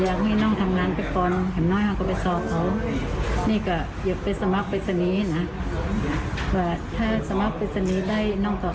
อย่างน่าว่าห้องกำลังมันเดือนกินซื่นกินได้อยู่นะครับ